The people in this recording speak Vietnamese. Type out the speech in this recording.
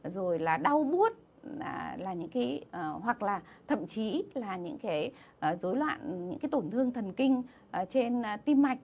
rồi là đau bút hoặc là thậm chí là những tổn thương thần kinh trên tim mạch